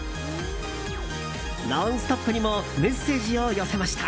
「ノンストップ！」にもメッセージを寄せました。